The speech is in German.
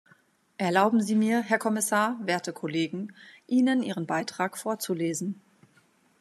Erlauben Sie mir, Herr Kommissar, werte Kollegen, Ihnen ihren Beitrag vorzulesen.